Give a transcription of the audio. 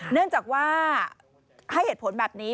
เนื่องจากว่าให้เหตุผลแบบนี้